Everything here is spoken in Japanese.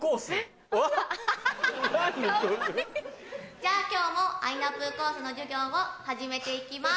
じゃあ今日もあいなぷぅコースの授業を始めていきます！